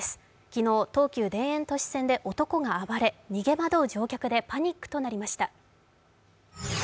昨日、東急田園都市線で男が暴れ逃げ惑う乗客でパニックとなりました。